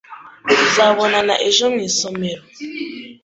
Tuzabonana ejo mu isomero.